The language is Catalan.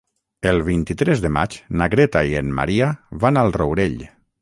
El vint-i-tres de maig na Greta i en Maria van al Rourell.